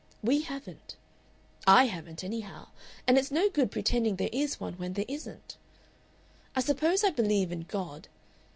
We haven't. I haven't, anyhow. And it's no good pretending there is one when there isn't.... I suppose I believe in God....